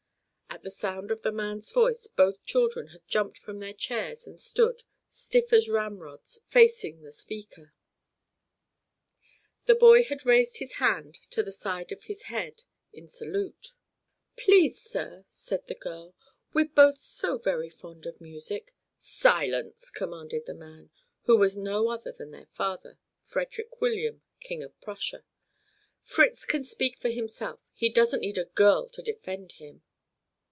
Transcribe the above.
At the sound of the man's voice both children had jumped from their chairs and stood, stiff as ramrods, facing the speaker. The boy had raised his hand to the side of his head in salute. "Please, sir," said the girl, "we're both so very fond of music." "Silence," commanded the man, who was no other than their father, Frederick William, King of Prussia. "Fritz can speak for himself; he doesn't need a girl to defend him."